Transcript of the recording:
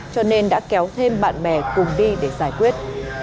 cho nên đã kéo thêm bạn bè cùng đi để giải quyết